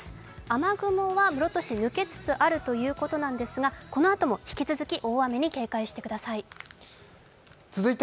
雨雲は室戸市、抜けつつあるということなんですがこのあとも引き続き大雨に警戒してください。